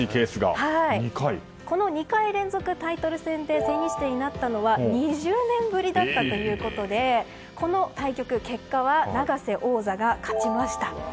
この２回連続、タイトル戦で千日手になったのは２０年ぶりだったということでこの対局、結果は永瀬王座が勝ちました。